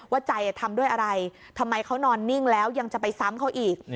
ใจทำด้วยอะไรทำไมเขานอนนิ่งแล้วยังจะไปซ้ำเขาอีก